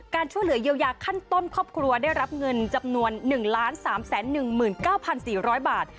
ช่วยเหลือเยียวยาขั้นต้นครอบครัวได้รับเงินจำนวน๑๓๑๙๔๐๐บาท